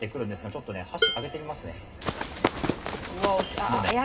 ちょっと箸、上げてみますね。